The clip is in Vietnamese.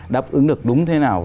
đáp ứng được đúng thế nào